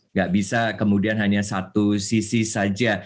nggak bisa kemudian hanya satu sisi saja